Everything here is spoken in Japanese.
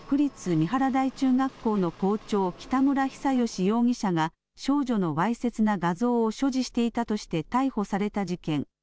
三原台中学校の校長、北村比左嘉容疑者が少女のわいせつな画像を所持していたとして逮捕された事件。